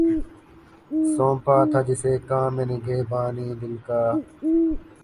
سونپا تھا جسے کام نگہبانئ دل کا